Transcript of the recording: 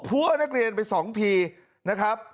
หัวนักเรียนไป๒ทีนะครับ